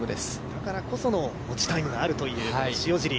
だからこその持ちタイムがあるという塩尻。